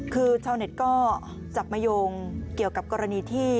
คือชาวเน็ตก็จับมาโยงเกี่ยวกับกรณีที่